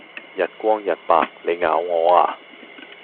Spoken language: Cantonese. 日光日白,你咬我呀?